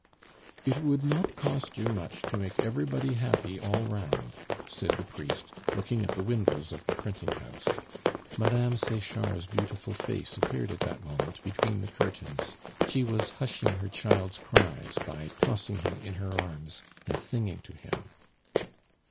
"It would not cost you much to make everybody happy all round," said the priest, looking at the windows of the printing house. Mme. Sechard's beautiful face appeared at that moment between the curtains; she was hushing her child's cries by tossing him in her arms and singing to him.